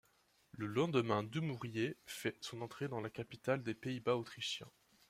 Le lendemain Dumouriez fait son entrée dans la capitale des Pays-Bas autrichiens.